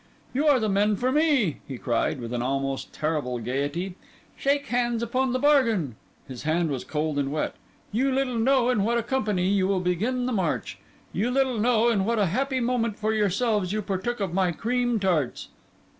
"You are the men for me!" he cried, with an almost terrible gaiety. "Shake hands upon the bargain!" (his hand was cold and wet). "You little know in what a company you will begin the march! You little know in what a happy moment for yourselves you partook of my cream tarts!